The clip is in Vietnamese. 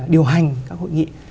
điều hành các hội nghị